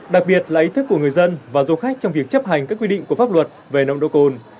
đặc biệt là ý thức của người dân và du khách trong việc chấp hành các quy định của pháp luật về nông độ cồn